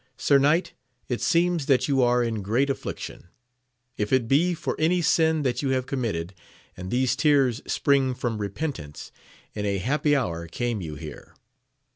Sir knight, it seems that you are in great affliction : if it be for any sin that you have committed, and these tears spring from repentance, in a happy hour came you here